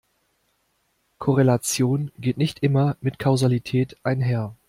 Korrelation geht nicht immer mit Kausalität einher.